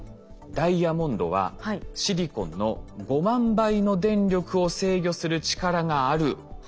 ダイヤモンドはシリコンの５万倍の電力を制御する力があるそうなんです。